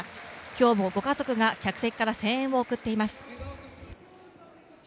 今日もご家族が客席から声援を送っています。